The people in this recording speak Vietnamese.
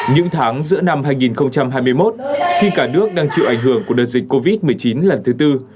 những tháng giữa năm hai nghìn hai mươi một khi cả nước đang chịu ảnh hưởng của đợt dịch covid một mươi chín lần thứ tư